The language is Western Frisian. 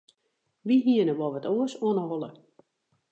Wy hiene wol wat oars oan 'e holle.